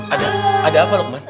ada ada apa lukman